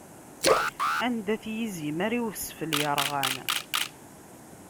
anda-t izimer i wesfel yerɣan?